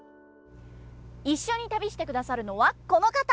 一緒に旅してくださるのはこの方！